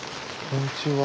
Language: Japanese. こんにちは。